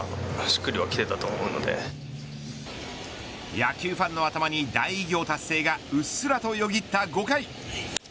野球ファンの頭に大偉業達成がうっすらとよぎった５回。